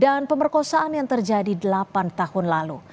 dan pemerkosaan yang terjadi delapan tahun lalu